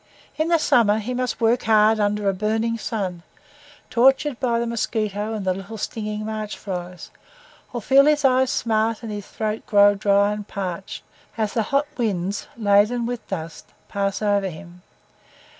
In the summer, he must work hard under a burning sun, tortured by the mosquito and the little stinging March flies, or feel his eyes smart and his throat grow dry and parched, as the hot winds, laden with dust, pass over him.